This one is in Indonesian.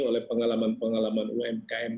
oleh pengalaman pengalaman umkm